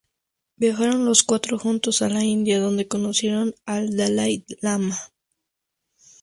Viajaron los cuatro juntos a la India, donde conocieron al Dalái Lama.